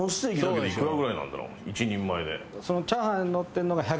１人前で。